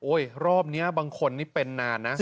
รอบนี้บางคนนี่เป็นนานนะ